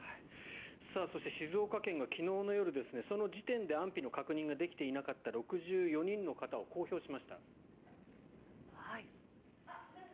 そして、静岡県が昨日の夜その時点で安否の確認ができていなかった６４人の方を公表しました。